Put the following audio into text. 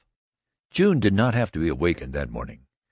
XII June did not have to be awakened that morning.